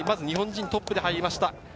日本人トップで入りました。